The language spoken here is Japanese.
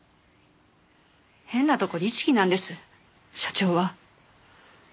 変なとこ律義なんです社長は。